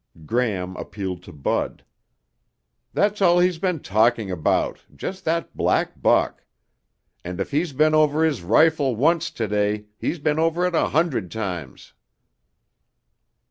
Gram appealed to Bud. "That's all he's been talking about, just that black buck. And if he's been over his rifle once today, he's been over it a hundred times."